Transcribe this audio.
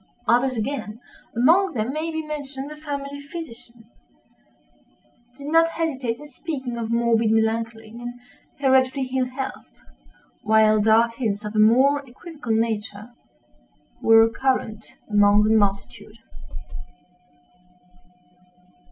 Others again (among them may be mentioned the family physician) did not hesitate in speaking of morbid melancholy, and hereditary ill health; while dark hints, of a more equivocal nature, were current among the multitude.